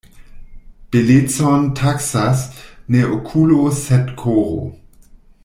Belecon taksas ne okulo sed koro.